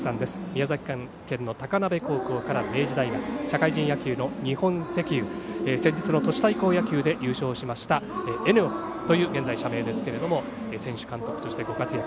宮崎県の高鍋高校から明治大学社会人野球の日本石油先日の都市対抗野球で優勝しましたＥＮＥＯＳという現在の社名ですけども選手、監督としてご活躍。